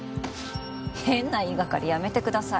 変な言いがかりやめてください。